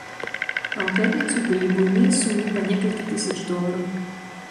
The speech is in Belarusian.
А ў пятніцу былі буйныя сумы па некалькі тысяч долараў.